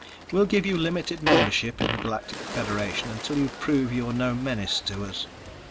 We'll give you limited membership in the Galactic Federation until you prove you're no menace to us."